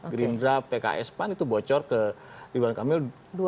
greendraft pks pan itu bocor ke rinduan kamil